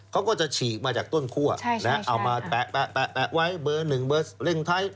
เขาก็จะฉีกมาจากต้นคั่วใช่ใช่ใช่เอามาแปะแปะแปะไว้เบอร์หนึ่งเบอร์เลขท้าย